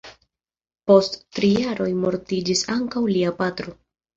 Post tri jaroj mortiĝis ankaŭ lia patro.